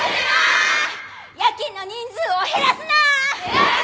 夜勤の人数を減らすなー！